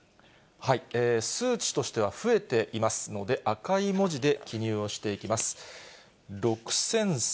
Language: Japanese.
数値としては増えていますので、赤い文字で記入をしていきます。